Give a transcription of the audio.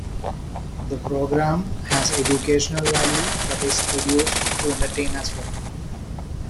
The program has educational value, but is produced to entertain as well.